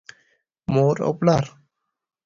مور او پلار